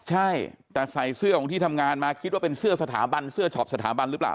ใช่แต่ใส่เสื้อของที่ทำงานมาคิดว่าเป็นเสื้อสถาบันเสื้อช็อปสถาบันหรือเปล่า